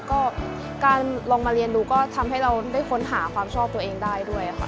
ก็การลองมาเรียนดูก็ทำให้เราได้ค้นหาความชอบตัวเองได้ด้วยค่ะ